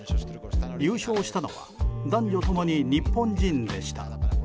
優勝したのは男女ともに日本人でした。